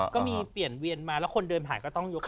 ก็มีเปลี่ยนเวียนมาแล้วคนเดินผ่านก็ต้องยก